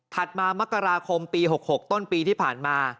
มามกราคมปี๖๖ต้นปีที่ผ่านมา